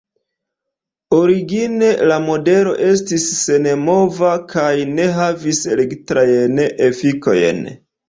Origine la modelo estis senmova kaj ne havis elektrajn efikojn.